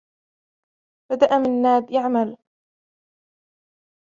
بدأ منّاد يعمل.